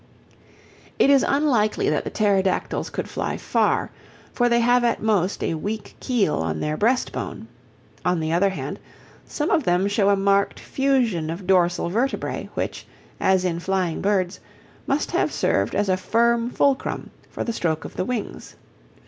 It is unlikely that the Pterodactyls could fly far, for they have at most a weak keel on their breast bone; on the other hand, some of them show a marked fusion of dorsal vertebræ, which, as in flying birds, must have served as a firm fulcrum for the stroke of the wings.